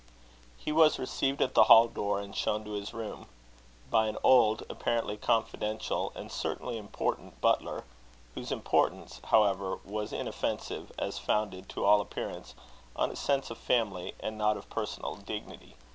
He was received at the hall door, and shown to his room, by an old, apparently confidential, and certainly important butler; whose importance, however, was inoffensive, as founded, to all appearance, on a sense of family and not of personal dignity.